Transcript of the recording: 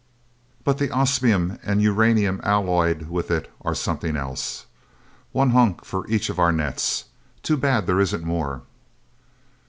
But the osmium and uranium alloyed with it are something else. One hunk for each of our nets. Too bad there isn't more."